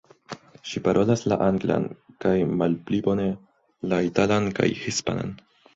Ŝi parolas la anglan kaj, malpli bone, la italan kaj hispanan.